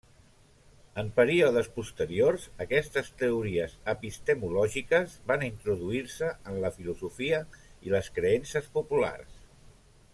En períodes posteriors, aquestes teories epistemològiques van introduir-se en la filosofia i les creences populars.